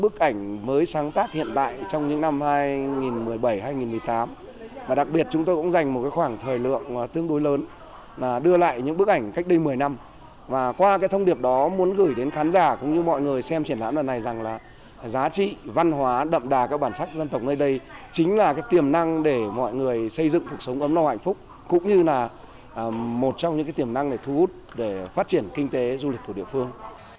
chính là tiềm năng để mọi người xây dựng cuộc sống ấm no hạnh phúc cũng như là một trong những tiềm năng thu hút để phát triển kinh tế du lịch của địa phương